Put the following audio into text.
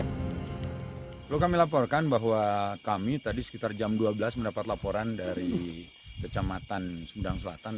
perlu kami laporkan bahwa kami tadi sekitar jam dua belas mendapat laporan dari kecamatan sumedang selatan